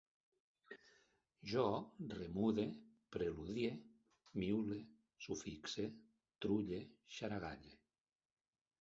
Jo remude, preludie, miule, sufixe, trulle, xaragalle